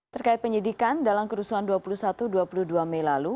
terkait penyidikan dalam kerusuhan dua puluh satu dua puluh dua mei lalu